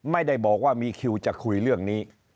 ไม่ได้บอกว่ามีคิวจะคุยเรื่องนี้